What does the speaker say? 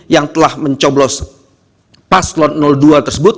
yang telah mencoblos paslon dua tersebut